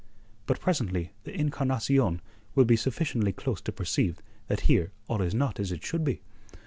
But presently the Encarnacion will be sufficiently close to perceive that here all is not as it should be.